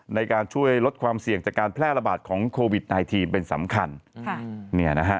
ในการช่วยลดความเสี่ยงจากการแพร่ระบาดของโควิด๑๙เป็นสำคัญ